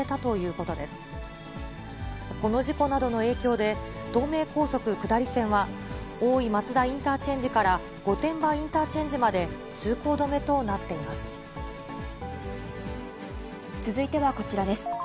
この事故などの影響で、東名高速下り線は、大井松田インターチェンジから御殿場インターチェンジまで通行止続いてはこちらです。